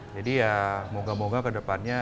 jadi ya moga moga ke depannya